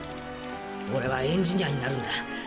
オレはエンジニアになるんだ。